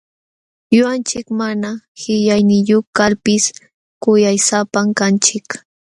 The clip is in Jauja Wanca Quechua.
Ñuqanchik mana qillayniyuq kalpis kuyaysapam kanchik.